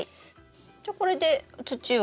じゃこれで土を。